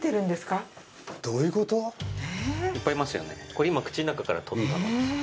これ今口の中から取った。